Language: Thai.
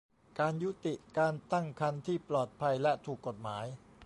การยุติการตั้งครรภ์ที่ปลอดภัยและถูกกฎหมาย